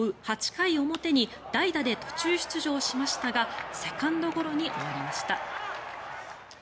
８回表に代打で途中出場しましたがセカンドゴロに終わりました。